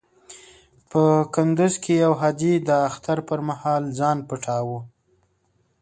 په کندز کې يو حاجي د اختر پر مهال ځان پټاوه.